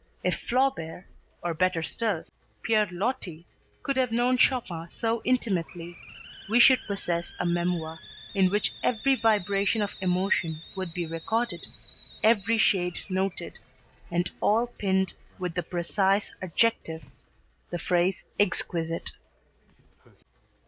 If Flaubert, or better still, Pierre Loti, could have known Chopin so intimately we should possess a memoir in which every vibration of emotion would be recorded, every shade noted, and all pinned with the precise adjective, the phrase exquisite.